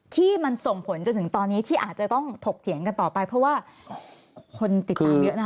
ที่มันส่งผลจนถึงตอนนี้ที่อาจจะต้องถกเถียงกันต่อไปเพราะว่าคนติดตามเยอะนะคะ